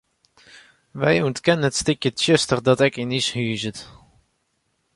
Wy ûntkenne it stikje tsjuster dat ek yn ús huzet.